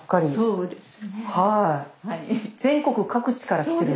そうです。